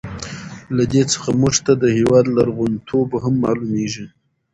له دې څخه موږ ته د هېواد لرغون توب هم معلوميږي.